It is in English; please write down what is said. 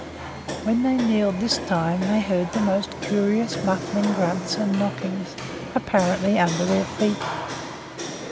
When they kneeled this time they heard the most curious muffled grunts and knockings, apparently under their feet.